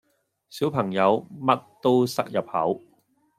小朋友乜都塞入口